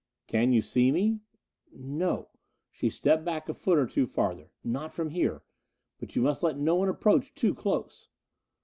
"Can you see me?" "No." She stepped back a foot or two further. "Not from here. But you must let no one approach too close."